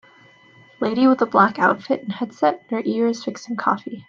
Lady with a black outfit and headset in her ear is fixing coffee